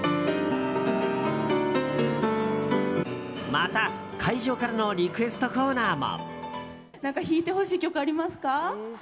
また、会場からのリクエストコーナーも。